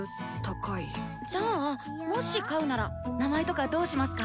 じゃあもし飼うなら名前とかどうしますか？